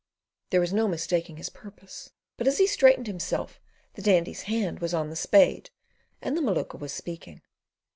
There was no mistaking his purpose; but as he straightened himself the Dandy's hand was on the spade and the Maluka was speaking.